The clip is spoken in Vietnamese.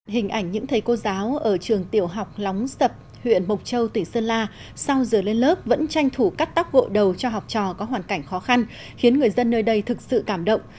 hình ảnh những thầy cô giáo ở trường tiểu học lóng sập huyện mộc châu tỉnh sơn la sau giờ lên lớp vẫn tranh thủ cắt tóc gội đầu cho học trò có hoàn cảnh khó khăn khiến người dân nơi đây thực sự cảm động